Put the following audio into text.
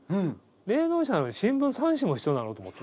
霊能者なのに新聞３紙も必要なの？と思って。